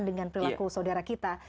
dengan perilaku saudara kita